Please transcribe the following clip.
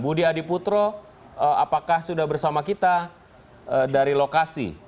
budi adiputro apakah sudah bersama kita dari lokasi